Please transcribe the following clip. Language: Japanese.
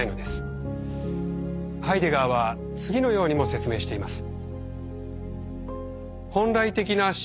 ハイデガーは次のようにも説明しています。